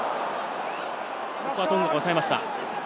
ここはトンガが抑えました。